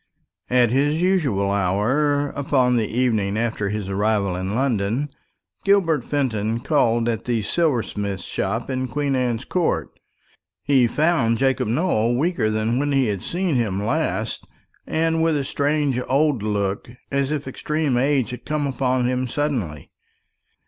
At his usual hour, upon the evening after his arrival in London, Gilbert Fenton called at the silversmith's shop in Queen Anne's Court. He found Jacob Nowell weaker than when he had seen him last, and with a strange old look, as if extreme age had come upon him suddenly.